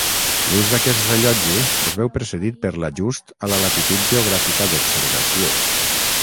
L'ús d'aquest rellotge es veu precedit per l'ajust a la latitud geogràfica d'observació.